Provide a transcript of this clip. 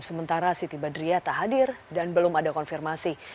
sementara siti badriah tak hadir dan belum ada konfirmasi